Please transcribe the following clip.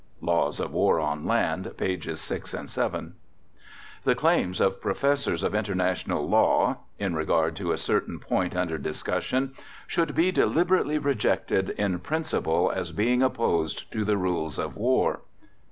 (Laws of War on Land, pp. 6 and 7) The claims of professors of International Law (in regard to a certain point under discussion) "should be deliberately rejected in principle as being opposed to the rules of war."